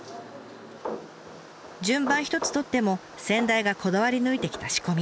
順番一つ取っても先代がこだわり抜いてきた仕込み。